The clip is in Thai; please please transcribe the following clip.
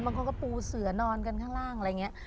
บางคนก็ปูเสือนอนกันข้างล่างอะไรอย่างนี้